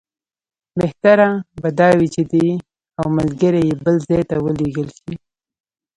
بهتره به دا وي چې دی او ملګري یې بل ځای ته ولېږل شي.